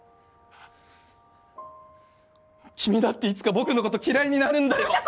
君だっていつか僕の事嫌いになるんだよ！